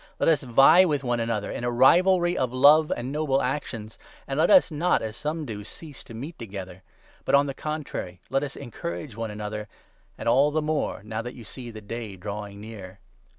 Let us vie with one another in a rivalry of love and noble 24 actions. And let us not, as some do, cease to meet together ; 25 but, on the contrary, let us encourage one another, and all the more, now that you see the Day drawing near.